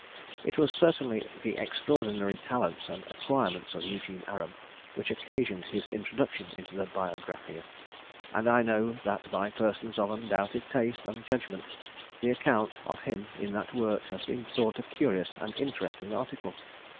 It was certainly the extraordinary talents and acquirements of Eugene Aram which occasioned his introduction into the Biographia; and I know that by persons of undoubted taste and judgment, the account of him in that work has been thought a curious and interesting article.